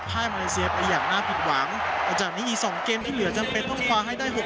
มาเลเซียไปอย่างน่าผิดหวังแต่จากนี้อีกสองเกมที่เหลือจำเป็นต้องคว้าให้ได้หก